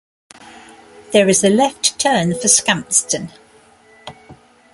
There is a left turn for Scampston.